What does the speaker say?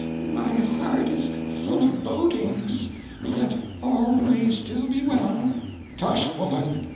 "My heart is full of bodings, yet all may still be well." "Tush, woman!